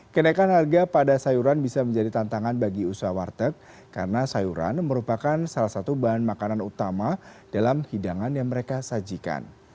kenaikan harga pada sayuran bisa menjadi tantangan bagi usaha warteg karena sayuran merupakan salah satu bahan makanan utama dalam hidangan yang mereka sajikan